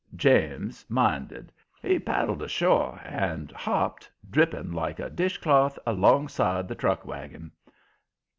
James minded. He paddled ashore and hopped, dripping like a dishcloth, alongside the truck wagon.